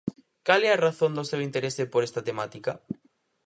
Cal é a razón do seu interese por esta temática?